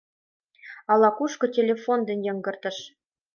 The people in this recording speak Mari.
Ала-кушко телефон дене йыҥгыртыш.